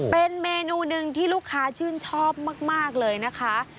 เป็นเมนูหนึ่งที่ลูกค้าชื่นชอบมากเลยนะคะ